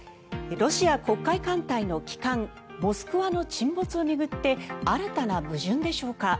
ロシア黒海艦隊の旗艦「モスクワ」の沈没を巡って新たな矛盾でしょうか。